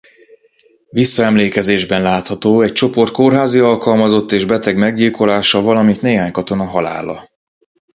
Visszaemlékezésben látható egy csoport kórházi alkalmazott és beteg meggyilkolása valamint néhány katona halála.